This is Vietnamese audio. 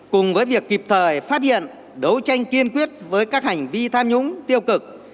cùng với việc kịp thời phát hiện đấu tranh kiên quyết với các hành vi tham nhũng tiêu cực